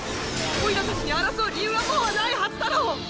おいらたちに争う理由はもうないはずだろ